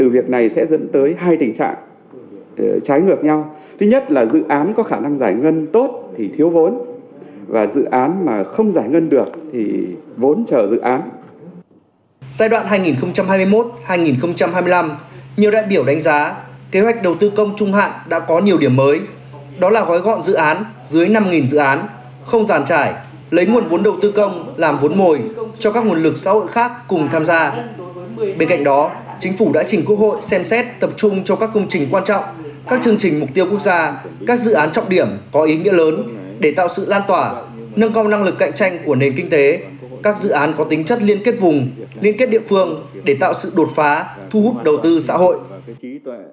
bên cạnh đó chính phủ đã chỉnh quốc hội xem xét tập trung cho các công trình quan trọng các chương trình mục tiêu quốc gia các dự án trọng điểm có ý nghĩa lớn để tạo sự lan tỏa nâng công năng lực cạnh tranh của nền kinh tế các dự án có tính chất liên kết vùng liên kết địa phương để tạo sự đột phá thu hút đầu tư xã hội